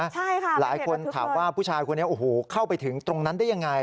ใช่ค่ะหลายคนถามว่าผู้ชายคนนี้โอ้โหเข้าไปถึงตรงนั้นได้ยังไง